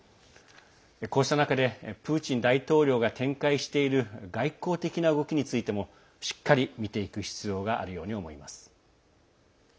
こうした中でプーチン大統領が展開している外交的な動きについてもしっかり見ていく必要があるように思います。